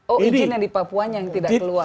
oh ijinnya di papua yang tidak perlu